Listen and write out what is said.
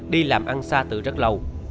đi làm ăn xa tự rất lâu